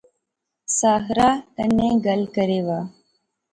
ساحرہ کنے گل کرے وہا